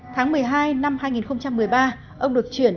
tháng một mươi hai năm hai nghìn một mươi ba ông được chuyển